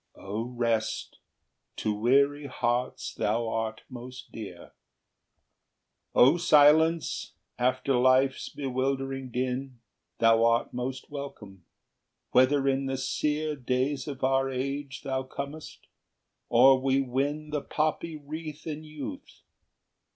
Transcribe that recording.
XXXVIII. "O Rest, to weary hearts thou art most dear! O Silence, after life's bewildering din, Thou art most welcome, whether in the sear Days of our age thou comest, or we win Thy poppy wreath in youth!